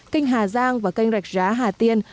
kênh hà giang và kênh rạch giá hà tiên